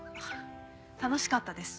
楽しかったです。